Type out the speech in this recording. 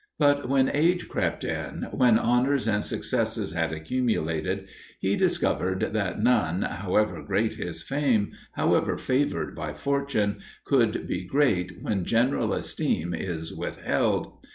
But when age crept on when honours and successes had accumulated he discovered that none, however great his fame, however favoured by fortune, could be great when general esteem is withheld.